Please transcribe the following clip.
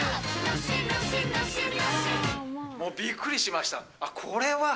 もうびっくりしました。